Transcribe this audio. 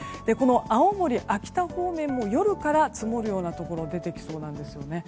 青森、秋田方面も夜から積もるところが出てきそうなんですよね。